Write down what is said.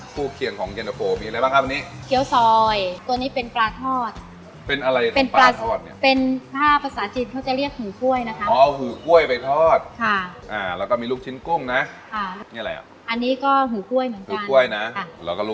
คู่เคียงของเย็นตะโปร์มีอะไรบ้างครับอันนี้เกี๊ยวซอยตัวนี้เป็นปลาทอด